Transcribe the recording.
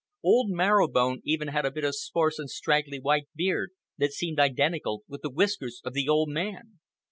Old Marrow Bone even had a bit of sparse and straggly white beard that seemed identical with the whiskers of the old man.